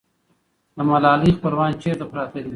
د ملالۍ خپلوان چېرته پراته دي؟